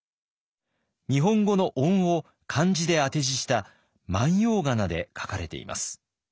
日本語の音を漢字で当て字した万葉仮名で書かれています。